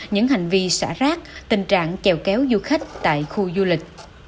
những hành vi xả rác tình trạng chèo kéo du khách tại khu du lịch